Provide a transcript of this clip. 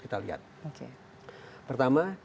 kita lihat pertama